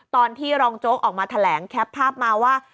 ตอนที่รองโจ๊กออกมาแถลงแคปภาพมาว่า